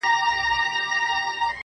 خدایه نور یې د ژوندو له کتار باسه~